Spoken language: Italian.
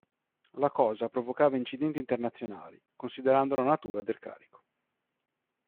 La cosa provocava incidenti internazionali, considerando la natura del "carico".